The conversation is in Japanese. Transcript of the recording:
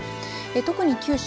特に九州